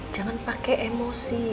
jangan pakai emosi